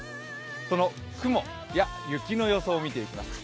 その雲や雪の予想を見ていきます。